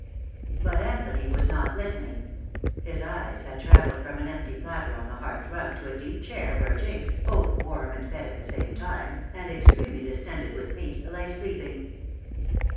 But Anthony was not listening. His eyes had traveled from an empty platter on the hearth rug to a deep chair where Jinx, both warm and fed at the same time, and extremely distended with meat, lay sleeping.